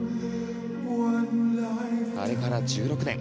あれから１６年。